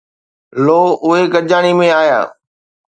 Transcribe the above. لو، اهي گڏجاڻي ۾ آيا